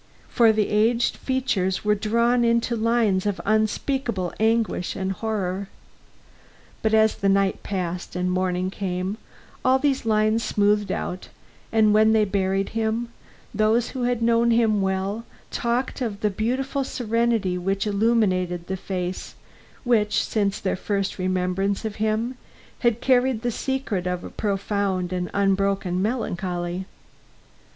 For the aged features were drawn into lines of unspeakable anguish and horror. But as the night passed and morning came, all these lines smoothed out, and when they buried him, those who had known him well talked of the beautiful serenity which illumined the face which, since their first remembrance of him, had carried the secret of a profound and unbroken melancholy.